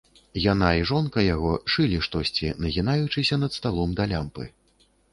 Яна і жонка яго шылі штосьці, нагінаючыся над сталом да лямпы.